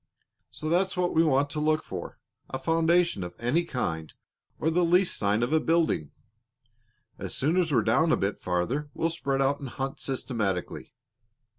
So that's what we want to look for a foundation of any kind or the least sign of a building. As soon as we're down a bit farther we'll spread out and hunt systematically.